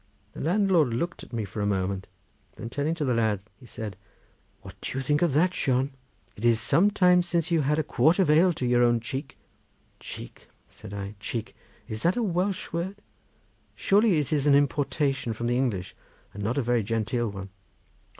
The landlord looked at me for a moment, then turning to the lad he said: "What do you think of that, Shon? It is some time since you had a quart of ale to your own cheek." "Cheek," said I, "cheek! Is that a Welsh word? Surely it is an importation from the English, and not a very genteel one."